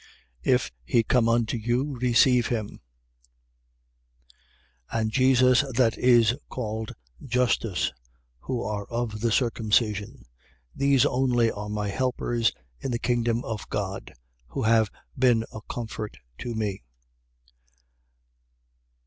If he come unto you, receive him. 4:11. And Jesus that is called Justus: who are of the circumcision. These only are my helpers, in the kingdom of God: who have been a comfort to me.